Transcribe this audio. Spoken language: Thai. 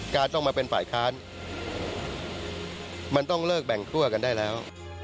การต้องมาเป็นฝ่ายค้านมันต้องเลิกแบ่งคั่วกันได้แล้ว